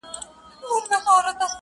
هغه ځان بدل کړی دی ډېر,